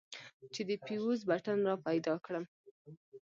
چې د فيوز بټن راپيدا کړم.